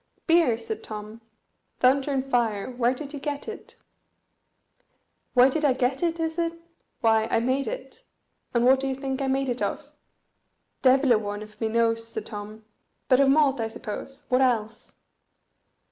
"Beer!" said Tom. "Thunder and fire! where did you get it?" "Where did I get it, is it? Why, I made it. And what do you think I made it of?" "Devil a one of me knows," said Tom; "but of malt, I suppose, what else?"